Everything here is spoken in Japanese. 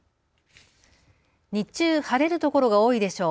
日中、晴れるところが多いでしょう。